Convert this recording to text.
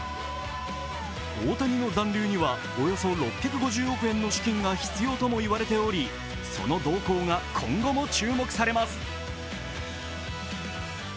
大谷の残留にはおよそ６５０億円の資金が必要ともいわれておりその動向が今後も注目されます。